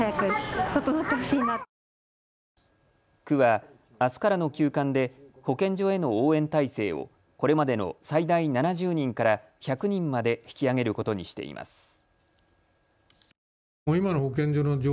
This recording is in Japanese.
区は、あすからの休館で保健所への応援態勢をこれまでの最大７０人から１００人まで引き上げることにしています。